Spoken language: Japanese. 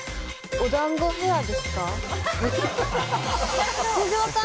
お団子ヘアですか？